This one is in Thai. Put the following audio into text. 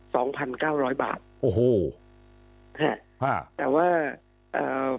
สองพันเก้าร้อยบาทโอ้โหฮะอ่าแต่ว่าเอ่อ